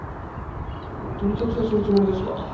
本当に徹夜するつもりですか？